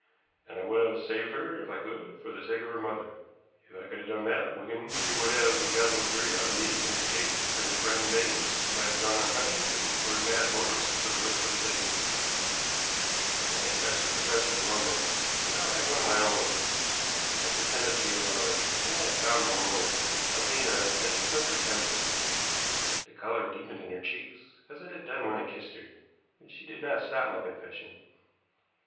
And I would have saved her if I could, for the sake of her mother. If I could have done that, Wigan, you would have got no theory out of me in this case, and your friend Baines might have gone on hunting for his mad motorist for the rest of his days." So I had touched the professor's romance, and now had one of my own. I had pretended to be a lover, and I had found a moment to tell Zena that it was no pretense with me. The color deepened in her cheeks as it had done when I kissed her, but she did not stop my confession.